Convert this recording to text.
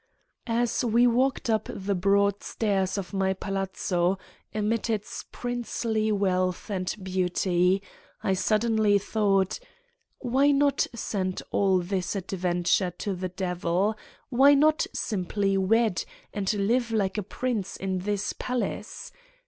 As we walked up the broad stairs of my palazzo, amid its princely wealth and beauty, I suddenly thought: "Why not send all this adventure to the devil! Why not simply wed and live like a prince in this palace?